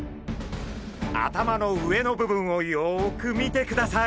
頭の上の部分をよく見てください。